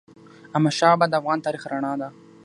احمدشاه بابا د افغان تاریخ رڼا ده.